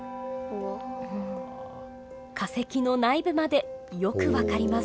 化石の内部までよく分かります。